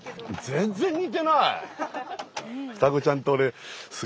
全然似てない。